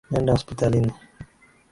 Nenda hospitalini.